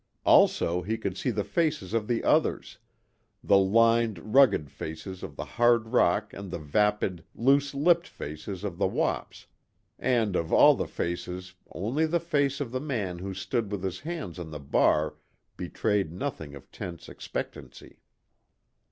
Also he could see the faces of the others the lined, rugged faces of the hard rock and the vapid, loose lipped faces of the wops and of all the faces only the face of the man who stood with his hands on the bar betrayed nothing of tense expectancy.